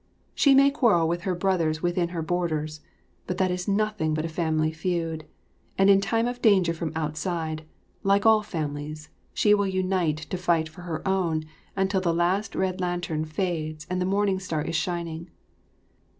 She may quarrel with her brothers within her borders; but that is nothing but a family feud, and in time of danger from outside, like all families, she will unite to fight for her own until the last red lantern fades and the morning star is shining.